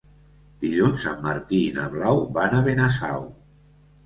Dilluns en Martí i na Blau van a Benasau.